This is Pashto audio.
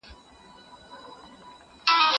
زه بايد قلم استعمالوم کړم!!